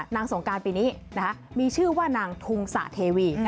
สงการปีนี้มีชื่อว่านางทุงสะเทวี